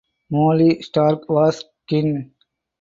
Molly Stark was kin.